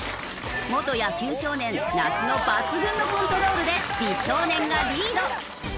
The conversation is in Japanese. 元野球少年那須の抜群のコントロールで美少年がリード。